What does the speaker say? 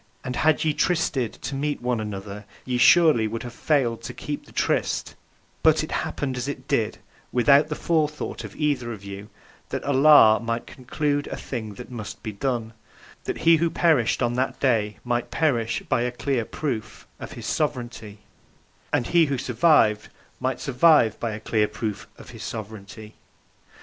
And had ye trysted to meet one another ye surely would have failed to keep the tryst, but (it happened, as it did, without the forethought of either of you) that Allah might conclude a thing that must be done; that he who perished (on that day) might perish by a clear proof (of His Sovereignty) and he who survived might survive by a clear proof (of His Sovereignty).